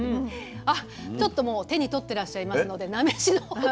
ちょっともう手に取ってらっしゃいますので菜飯のほうを。